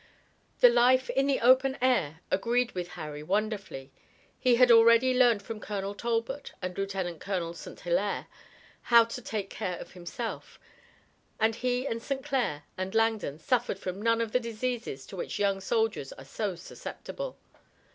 The life in the open air agreed with Harry wonderfully. He had already learned from Colonel Talbot and Lieutenant Colonel St. Hilaire how to take care of himself, and he and St. Clair and Langdon suffered from none of the diseases to which young soldiers are so susceptible.